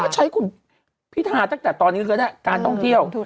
ใช้คุณพิธาตั้งแต่ตอนนี้ก็ได้การท่องเที่ยว